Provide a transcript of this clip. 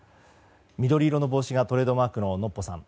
緑色の帽子がトレードマークのノッポさん。